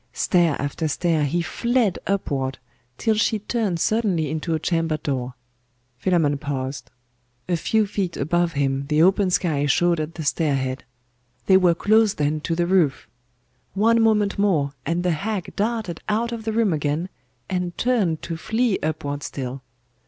Stair after stair, he fled upward, till she turned suddenly into a chamber door. Philammon paused. A few feet above him the open sky showed at the stair head. They were close then to the roof! One moment more, and the hag darted out of the room again, and turned to flee upward still.